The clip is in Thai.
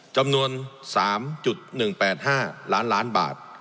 จำนวน๓๑๘๕ล้านล้านบาท